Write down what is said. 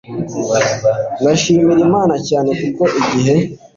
Ndashimira Imana cyane kuko igihe